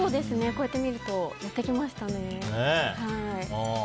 こうやって見るとやってきましたね。